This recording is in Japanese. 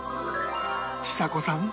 ちさ子さん